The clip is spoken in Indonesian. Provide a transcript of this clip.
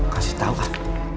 kasih tau kan